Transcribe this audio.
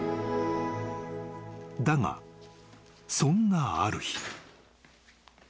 ［だがそんなある日］